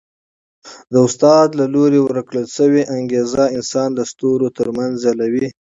د استاد له لوري ورکړل سوی انګېزه انسان د ستورو تر منځ ځلوي.